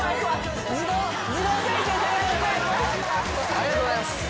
ありがとうございます。